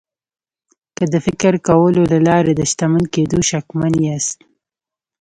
که د فکر کولو له لارې د شتمن کېدو شکمن یاست